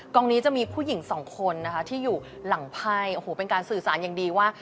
งนี้จะมีผู้หญิงสองคนนะคะที่อยู่หลังไพ่โอ้โหเป็นการสื่อสารอย่างดีว่า